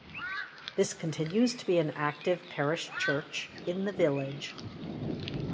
This continues to be an active parish church in the village.